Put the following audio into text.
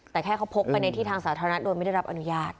แต่แค่เขาพกไปในที่ทางสาธารณะโดยไม่ได้รับอนุญาต